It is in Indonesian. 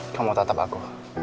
kamu tetap aku